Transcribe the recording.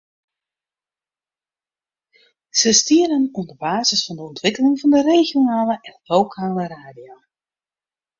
Se stienen oan de basis fan de ûntwikkeling fan de regionale en lokale radio.